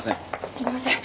すみません。